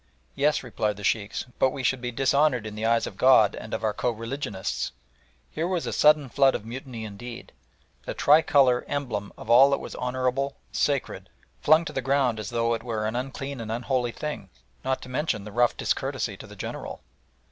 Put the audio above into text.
"Yes," replied the Sheikhs, "but we should be dishonoured in the eyes of God and of our co religionists!" Here was a sudden flood of mutiny indeed! The tricolour, emblem of all that was honourable, sacred, flung to the ground as though it were an unclean and unholy thing, not to mention the rough discourtesy to the General.